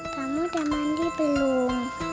kamu udah mandi belum